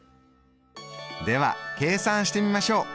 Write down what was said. では計算してみましょう。